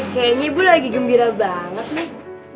kayaknya ibu lagi gembira banget nih